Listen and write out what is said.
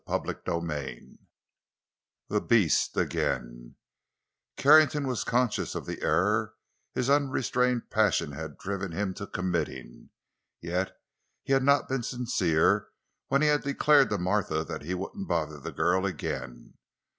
CHAPTER XVIII—THE BEAST AGAIN Carrington was conscious of the error his unrestrained passion had driven him to committing. Yet he had not been sincere when he had declared to Martha that he wouldn't bother the girl again.